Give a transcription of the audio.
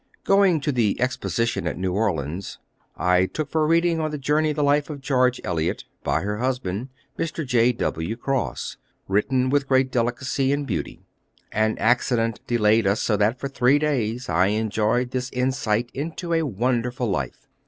] Going to the Exposition at New Orleans, I took for reading on the journey, the life of George Eliot, by her husband, Mr. J.W. Cross, written with great delicacy and beauty. An accident delayed us, so that for three days I enjoyed this insight into a wonderful life.